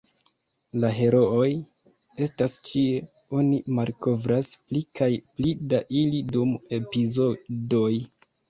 La herooj estas ĉie, oni malkovras pli kaj pli da ili dum epizodoj.